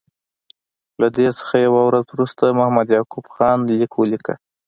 له دې څخه یوه ورځ وروسته محمد یعقوب خان لیک ولیکه.